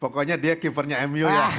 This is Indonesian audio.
pokoknya dia keepernya mu ya